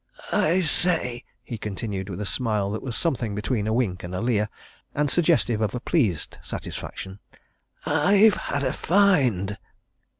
"I say," he continued, with a smile that was something between a wink and a leer, and suggestive of a pleased satisfaction. "I've had a find!"